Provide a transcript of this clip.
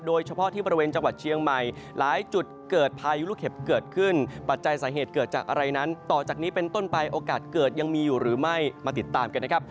โดยเฉพาะที่บริเวณจังหวัดเชียงใหม่หลายจุดเกิดพายุลูกเห็บเกิดขึ้นปัจจัยสาเหตุเกิดจากอะไรนั้นต่อจากนี้เป็นต้นไปโอกาสเกิดยังมีอยู่หรือไม่มาติดตามกันนะครับ